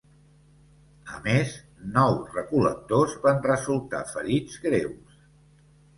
A més, nou recol·lectors van resultar ferits greus.